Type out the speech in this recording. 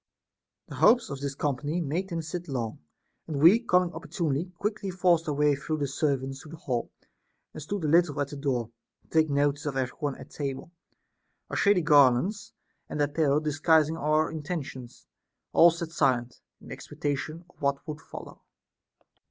31. The hopes of this company made them sit long ; and we coming opportunely quickly forced our way through the servants to the hall, and stood a little at the door, to take notice of every one at table ; our shady garlands and apparel disguising our intentions, all sat silent, in expecta tion of what would follow.